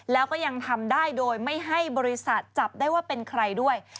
แล้วก็ยังทำได้โดยไม่ให้บริษัทจับได้ว่าเป็นใครด้วย